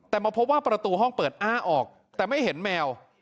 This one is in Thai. แต่มาพบว่าประตูห้องเปิดอ้าออกแต่ไม่เห็นแมว